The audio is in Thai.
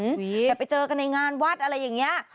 อย่าไปเจอกันในงานวัดอะไรอย่างนี้